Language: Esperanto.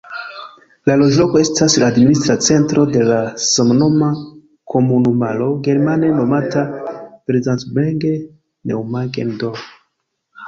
La loĝloko estas la administra centro de samnoma komunumaro, germane nomata "Verbandsgemeinde Neumagen-Dhron".